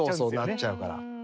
なっちゃうから。